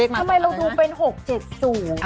ทำไมเราดูเป็น๖๗๐